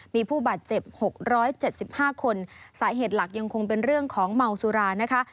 มีผู้บาดเจ็บ๖๗๕คนสาเหตุหลักยังคงเป็นเรื่องของเมาสุรานะคะ